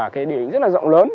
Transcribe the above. thì rất là rộng lớn